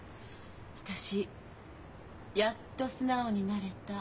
私やっと素直になれた。